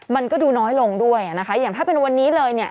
มันก็ดูน้อยลงด้วยนะคะอย่างถ้าเป็นวันนี้เลยเนี่ย